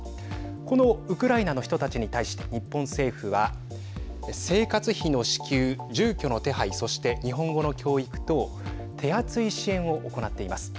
このウクライナの人たちに対して日本政府は生活費の支給、住居の手配そして日本語の教育等手厚い支援を行っています。